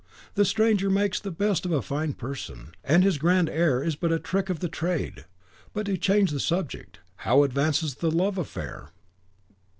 The stranger makes the best of a fine person, and his grand air is but a trick of the trade. But to change the subject, how advances the love affair?"